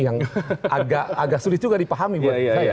yang agak sulit juga dipahami buat saya